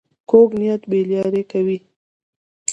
کوږ نیت بې لارې کوي